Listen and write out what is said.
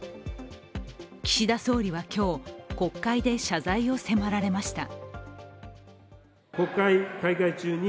岸田総理は今日、国会で謝罪を迫られました。